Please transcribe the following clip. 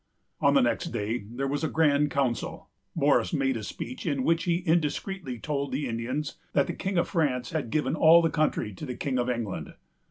On the next day there was a grand council. Morris made a speech, in which he indiscreetly told the Indians that the King of France had given all the country to the King of England.